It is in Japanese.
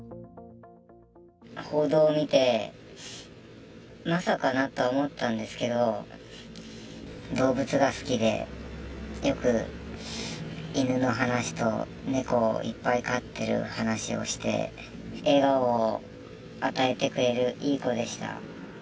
報道を見て、まさかなとは思ったんですけど、動物が好きで、よく犬の話と、猫をいっぱい飼ってる話をして、笑顔を与えてくれるいい子でした。